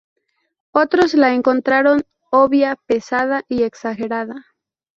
Otros la encontraron obvia, pesada y exagerada.